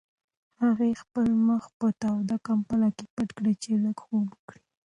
هغې خپل مخ په توده کمپله کې پټ کړ چې لږ خوب وکړي.